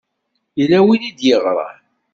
Yella win i d-yeɣṛan.